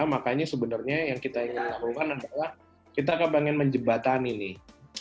makanya sebenarnya yang kita ingin lakukan adalah kita akan pengen menjebatani nih